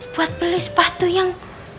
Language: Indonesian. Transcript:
buat beli sepatu yang